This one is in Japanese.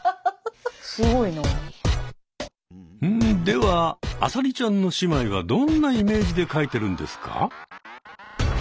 では「あさりちゃん」の姉妹はどんなイメージで描いてるんですか？